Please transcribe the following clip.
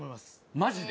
マジで？